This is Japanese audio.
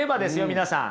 皆さん。